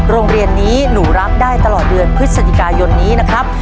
โรงเรียนนี้หนูรับได้ตลอดเดือนพฤศจิกายนนี้นะครับ